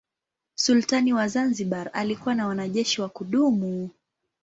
Sultani wa Zanzibar alikuwa na wanajeshi wa kudumu.